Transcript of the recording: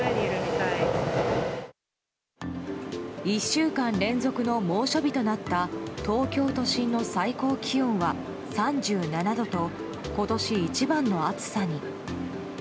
１週間連続の猛暑日となった東京都心の最高気温は３７度と今年一番の暑さに。